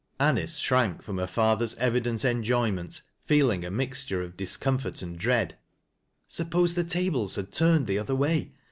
Anice shrank from her father's evident enjoyment, feel ing a mixture of discomfort and dread. Suppose the tables had turned the other way.